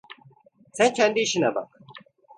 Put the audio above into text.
Sen kendi işine bak!